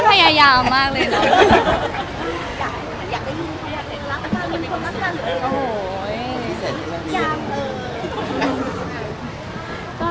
พยายามมากเลยเนอะ